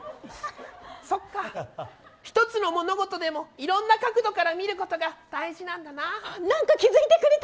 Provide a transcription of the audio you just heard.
そっか、１つの物事でもいろんな角度から見ることが何か気づいてくれた！